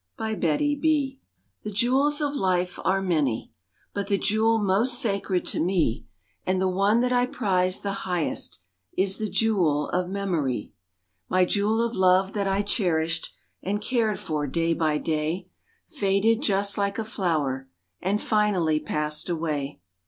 *MY JEWELS* The jewels of life are many, But the jewel most sacred to me And the one that I prize the highest, Is the jewel of memory. My jewel of love that I cherished, And cared for day by day, Faded just like a flower And finally passed away.